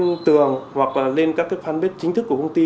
những cái tường hoặc là lên các cái fanpage chính thức của công ty